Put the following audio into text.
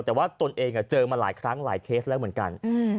แต่ว่าตนเองเจอมาหลายครั้งหลายเคสแล้วเหมือนกัน